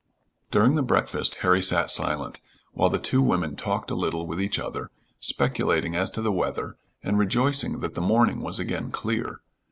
During the breakfast Harry sat silent, while the two women talked a little with each other, speculating as to the weather, and rejoicing that the morning was again clear.